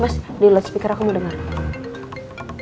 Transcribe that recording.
mas di loudspeaker aku mau dengar